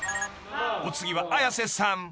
［お次は綾瀬さん］